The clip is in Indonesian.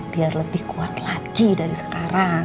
biar lebih kuat lagi dari sekarang